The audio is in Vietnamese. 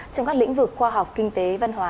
trong các lĩnh vực khoa học kinh tế văn hóa